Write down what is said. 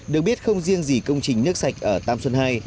được biết không riêng gì công trình nước sạch ở tam xuân hai